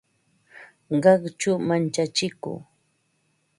Qaqchu manchachiku